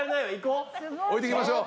置いていきましょう。